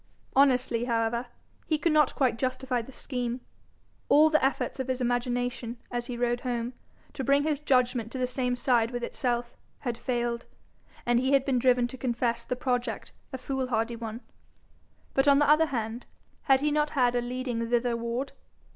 Honestly, however, he could not quite justify the scheme. All the efforts of his imagination, as he rode home, to bring his judgment to the same side with itself, had failed, and he had been driven to confess the project a foolhardy one. But, on the other hand, had he not had a leading thitherward?